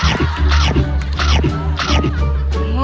อ้าว